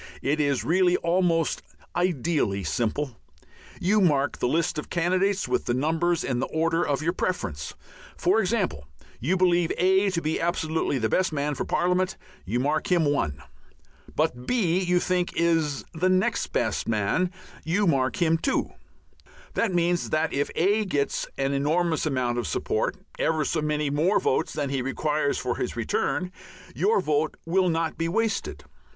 It is really almost ideally simple. You mark the list of candidates with numbers in the order of your preference. For example, you believe A to be absolutely the best man for parliament; you mark him 1. But B you think is the next best man; you mark him 2. That means that if A gets an enormous amount of support, ever so many more votes than he requires for his return, your vote will not be wasted.